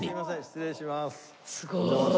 失礼します。